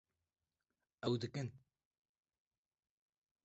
Ew dikin